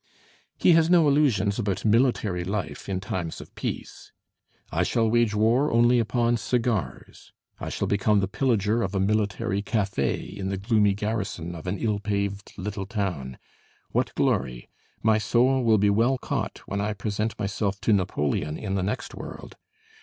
He has no illusions about military life in times of peace: "I shall wage war only upon cigars; I shall become the pillager of a military café in the gloomy garrison of an ill paved little town.... What glory! My soul will be well caught when I present myself to Napoleon in the next world.